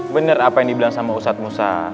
bener apa yang dibilang sama ustadz musa